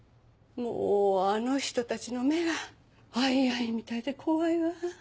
もうあの人たちの目がアイアイみたいで怖いわ。